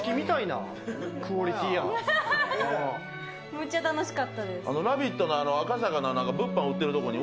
むっちゃ楽しかったです。